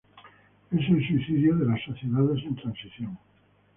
Es el suicidio de las sociedades en transición.